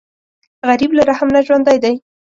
غریب له رحم نه ژوندی دی